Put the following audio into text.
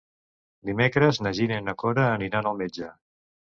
Dimecres na Gina i na Cora aniran al metge.